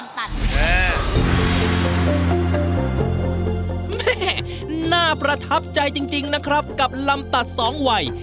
แม่น่าประทับใจจริงนะครับกับลำตัดสองวัย